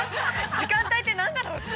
◆時間帯って何だろうって。